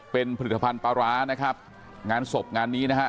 เป็นผลิตภัณฑ์ปลาร้านะครับงานศพงานนี้นะฮะ